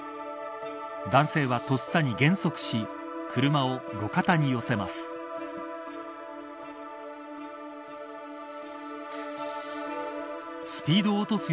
男性はとっさに減速し車を路肩に寄せます。